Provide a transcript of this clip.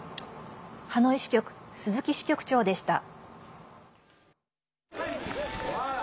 ハノイ支局、鈴木支局長でした。